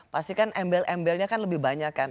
pasti kan embel embelnya kan lebih banyak kan